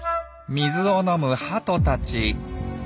水を飲むハトたち。